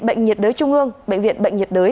bệnh nhiệt đới trung ương bệnh viện bệnh nhiệt đới